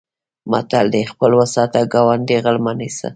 متل دی: خپل و ساته ګاونډی غل مه نیسه.